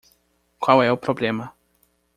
Qual é o problema?